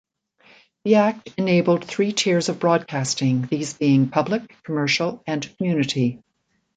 The act enabled three tiers of broadcasting, these being public, commercial, and community.